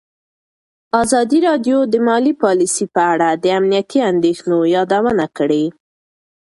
ازادي راډیو د مالي پالیسي په اړه د امنیتي اندېښنو یادونه کړې.